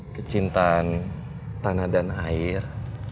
kecintaan tanah dan air